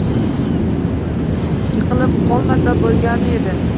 Yiqilib qolmasa bo‘lgani edi.